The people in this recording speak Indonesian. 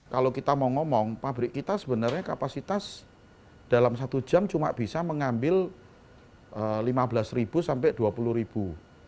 kalau kita mau ngomong pabrik kita sebenarnya kapasitas dalam satu jam cuma bisa mengambil lima belas ribu sampai dua puluh ribu